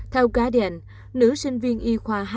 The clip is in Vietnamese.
theo guardian nữ sinh viên y khoa